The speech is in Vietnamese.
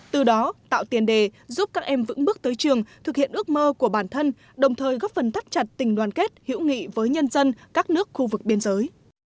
từ đó tạo tiền đề giúp các em vững bước tới trường thực hiện ước mơ của bản thân đồng thời góp phần thắt chặt tình đoàn kết hữu nghị với nhân dân các nước khu vực biên giới